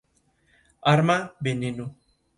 Considera a los economistas neoclásicos unos fanáticos.